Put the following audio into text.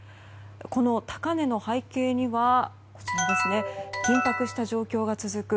この高値の背景には緊迫した状況が続く